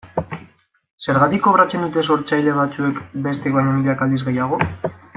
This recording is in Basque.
Zergatik kobratzen dute sortzaile batzuek bestek baino milaka aldiz gehiago?